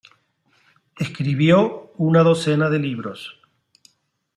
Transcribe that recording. Escribió una docena de libros.